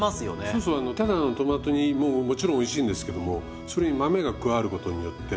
そうそうただのトマト煮ももちろんおいしいんですけどもそれに豆が加わることによって味に深みが出てきますよね。